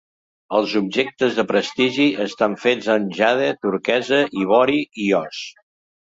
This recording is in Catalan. Els objectes de prestigi estan fets en jade, turquesa, ivori i os.